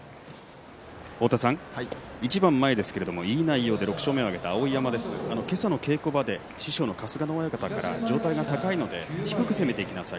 一番前ですけれどもいい内容で６勝目を挙げた碧山けさの稽古場では師匠の春日野親方から上体が高いので低く攻めていきなさい